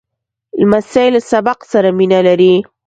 لمسی له سبق سره مینه لري.